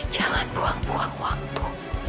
jangan buang buang waktu